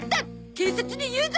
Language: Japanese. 警察に言うゾ！